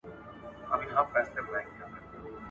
ځوانان د مرګ له بيري پرته جګړه کوي.